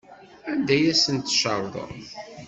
Anda ay asent-tcerḍem?